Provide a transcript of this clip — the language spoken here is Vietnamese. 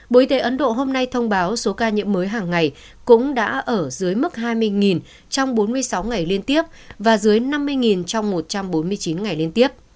bộ y tế ấn độ hôm nay thông báo số ca nhiễm mới hàng ngày cũng đã ở dưới mức hai mươi trong bốn mươi sáu ngày liên tiếp và dưới năm mươi trong một trăm bốn mươi chín ngày liên tiếp